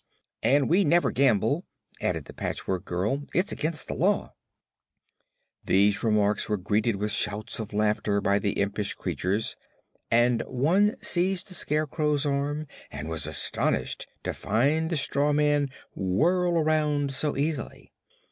"And we never gamble," added the Patchwork Girl. "It's against the Law." These remarks were greeted with shouts of laughter by the impish creatures and one seized the Scarecrow's arm and was astonished to find the straw man whirl around so easily.